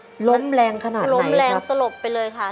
ขอบตัวค่ะล้นแรงขนาดไหนครับล้นแรงสลบไปเลยค่ะ